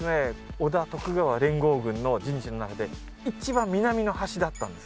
織田徳川連合軍の陣地の中で一番南の端だったんです